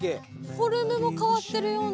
フォルムも変わってるような。